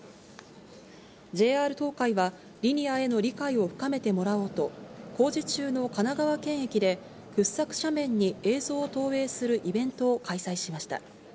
ＪＲ東海は、リニアへの理解を深めてもらおうと、工事中の神奈川県駅で、掘削斜面に映像を投影するイベントを開催しました。